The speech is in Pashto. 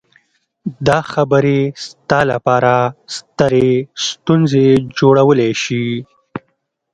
دا خبرې ستا لپاره سترې ستونزې جوړولی شي